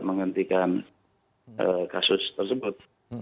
menghentikan kasus tersebut